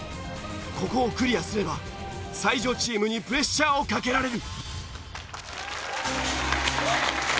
ここをクリアすれば才女チームにプレッシャーをかけられる。